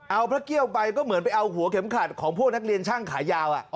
เอาพระเกี้ยวไปก็เหมือนไปเอาหัวเข็มขัดของพวกนักเรียนช่างขายาว